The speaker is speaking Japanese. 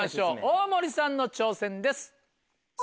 大森さんの挑戦です。